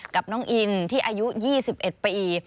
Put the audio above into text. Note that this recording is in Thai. กับน้องอินที่อายุ๒๑ปี